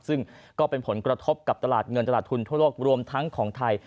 ซึ่งก็เป็นผลกระทบกับตลาดเงินตลาดทุนทั่วโลกรวมทั้งของไทย